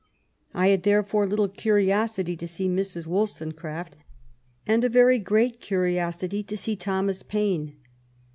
I had therefore little curi osity to see Mrs. Wollstonecraft, and a rery great curiosity to see Thomas Paine.